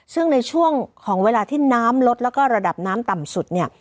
ซึ่งในช่วงของเวลาที่น้ำลดแล้วก็ระดับน้ำต่ำสุดเนี่ย